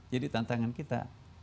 jadi tantangan kita